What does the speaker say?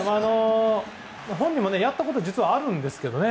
本人もやったことは実はあるんですけどね。